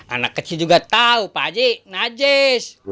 anak kecil juga tau pak ji najis